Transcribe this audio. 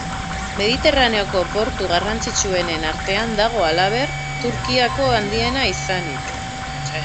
Mediterraneoko portu garrantzitsuenen artean dago halaber, Turkiako handiena izanik.